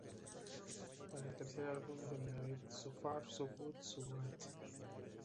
Para el tercer álbum de Megadeth, "So Far, So Good... So What!